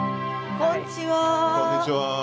こんにちは。